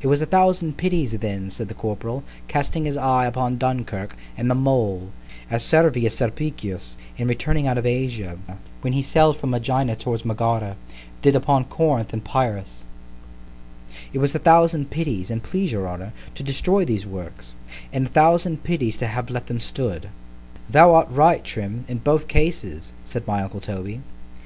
It was a thousand pities then, said the corporal, casting his eye upon Dunkirk, and the mole, as Servius Sulpicius, in returning out of Asia (when he sailed from Ægina towards Megara), did upon Corinth and Pyreus—— —"It was a thousand pities, an' please your honour, to destroy these works——and a thousand pities to have let them stood."—— ——Thou art right, Trim, in both cases; said my uncle _Toby.